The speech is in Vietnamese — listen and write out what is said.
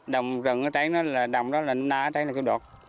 đồng rừng ở trái nó là đồng đó là nà ở trái nó đọt